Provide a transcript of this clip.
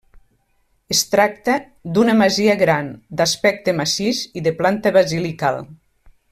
Es tracta d'una masia gran, d'aspecte massís i de planta basilical.